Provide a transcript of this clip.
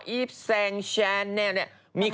อีฟแซงแชนเนี่ยเนี่ย